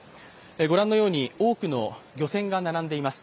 ご覧のように多くの漁船が並んでいます。